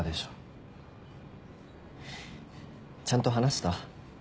ちゃんと話せた？